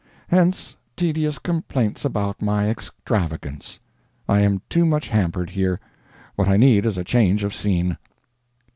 Hence, tedious complaints about my extravagance. I am too much hampered here. What I need is a change of scene.